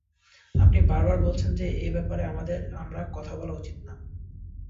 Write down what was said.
আপনি বারবার বলছেন যে এব্যাপারে আমার কথা বলা উচিত নয়।